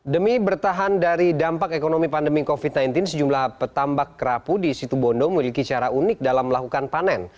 demi bertahan dari dampak ekonomi pandemi covid sembilan belas sejumlah petambak kerapu di situ bondo memiliki cara unik dalam melakukan panen